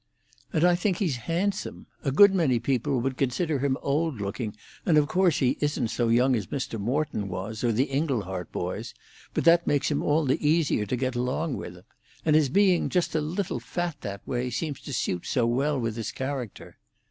"And I think he's handsome. A good many people would consider him old looking, and of course he isn't so young as Mr. Morton was, or the Inglehart boys; but that makes him all the easier to get along with. And his being just a little fat, that way, seems to suit so well with his character."